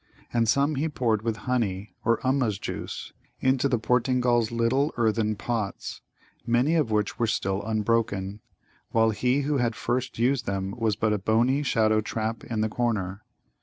And some he poured with honey or Ummuz juice into the Portingal's little earthen pots, many of which were still unbroken, while he who had first used them was but a bony shadow trap in the corner.